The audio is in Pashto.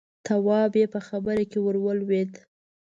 تواب يې په خبره کې ور ولوېد: